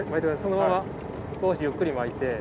そのまま少しゆっくり巻いて。